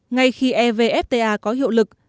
ngay khi evfta có hiệu lực